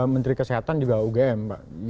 menteri kesehatan juga ugm